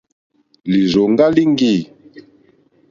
Lìrzòŋɡá líŋɡî.